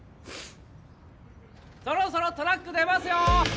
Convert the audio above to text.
そろそろトラック出ますよ！